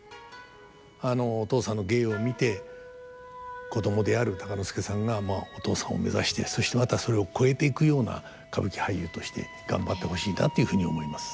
あのお父さんの芸を見て子供である鷹之資さんがお父さんを目指してそしてまたそれを超えていくような歌舞伎俳優として頑張ってほしいなっていうふうに思います。